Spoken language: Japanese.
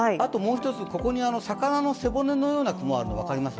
ここに魚の背骨のような雲が分かりますか。